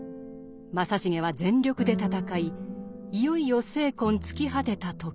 正成は全力で戦いいよいよ精魂尽き果てた時。